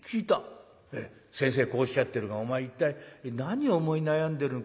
『先生こうおっしゃってるがお前一体何を思い悩んでる？』。